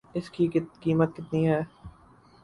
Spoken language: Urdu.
اس کی قیمت کتنی ہے